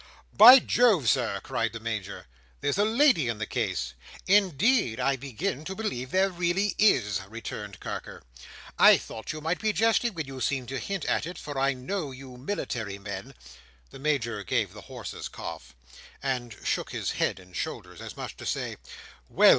"By Jove, Sir," cried the Major, "there's a lady in the case." "Indeed, I begin to believe there really is," returned Carker; "I thought you might be jesting when you seemed to hint at it; for I know you military men"— The Major gave the horse's cough, and shook his head and shoulders, as much as to say, "Well!